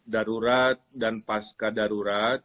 darurat dan pasca darurat